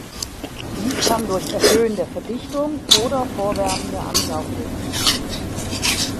Dies kann durch Erhöhen der Verdichtung oder Vorwärmen der Ansaugluft geschehen.